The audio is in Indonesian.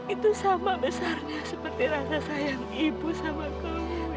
itu sama besarnya seperti rasa sayang ibu sama kamu